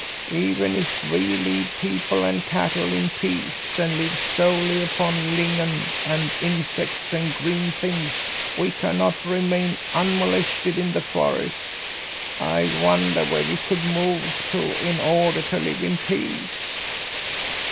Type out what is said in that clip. "Even if we leave people and cattle in peace and live solely upon lignon and insects and green things, we cannot remain unmolested in the forest! I wonder where we could move to in order to live in peace?"